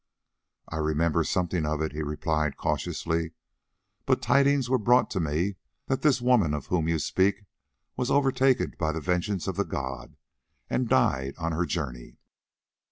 "I remember something of it," he replied cautiously; "but tidings were brought to me that this woman of whom you speak was overtaken by the vengeance of the god, and died on her journey."